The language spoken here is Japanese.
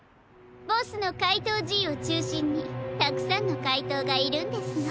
ボスのかいとうＧをちゅうしんにたくさんのかいとうがいるんですの。